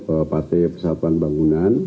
bahwa partai persatuan pembangunan